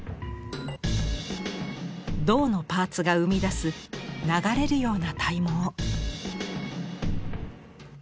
銅のパーツが生み出す流れるような体毛。